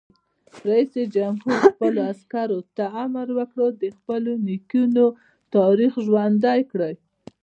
رئیس جمهور خپلو عسکرو ته امر وکړ؛ د خپلو نیکونو تاریخ ژوندی کړئ!